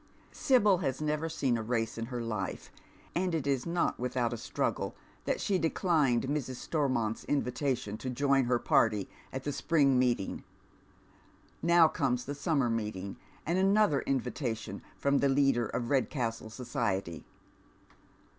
Sibyl has never seen a race in her life, and it was not without a struggle that she declined Mrs. Stormont's invitation to join her party at the spring meeting. Now comes the summer meeting, and another invitation from tlie leader of Redcastle society.